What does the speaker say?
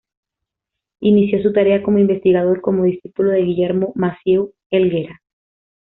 Inició su tarea como investigador como discípulo de Guillermo Massieu Helguera.